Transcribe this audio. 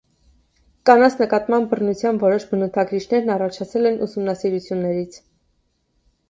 Կանանց նկատմամբ բռնության որոշ բնութագրիչներ առաջացել են ուսումնասիրություններից։